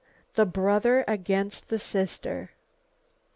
The brother against the sister."